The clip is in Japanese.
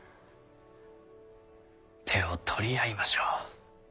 手を取り合いましょう。